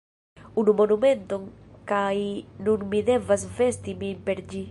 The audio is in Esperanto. Unu momenton kaj nun mi devas vesti min per ĝi